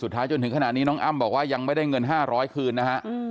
จนถึงขณะนี้น้องอ้ำบอกว่ายังไม่ได้เงิน๕๐๐คืนนะฮะ